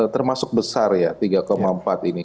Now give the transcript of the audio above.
termasuk besar ya tiga empat ini